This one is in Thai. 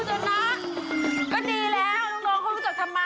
เออคุณจนนะก็ดีแล้วน้องเขารู้จักทำมาหากิน